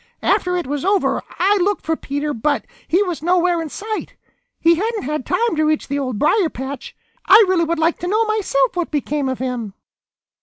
After it was over, I looked for Peter, but he was nowhere in sight. He hadn't had time to reach the Old Briar patch. I really would like to know myself what became of him."